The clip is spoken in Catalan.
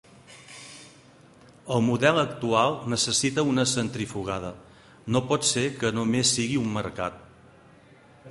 El model actual necessita una centrifugada, no pot ser que només sigui un mercat.